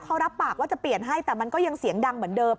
เขารับปากว่าจะเปลี่ยนให้แต่มันก็ยังเสียงดังเหมือนเดิม